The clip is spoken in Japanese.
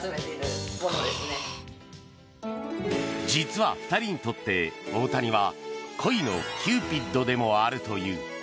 実は、２人にとって大谷は恋のキューピッドでもあるという。